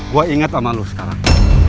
gua inget sama lu sekarang